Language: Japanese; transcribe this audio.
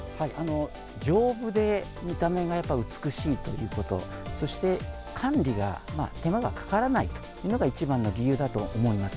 丈夫で見た目がやっぱり美しいということ、そして管理が、手間がかからないというのが一番の理由だと思います。